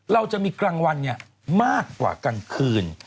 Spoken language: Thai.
เราจะมีกลางวันมากกว่ากลางคืน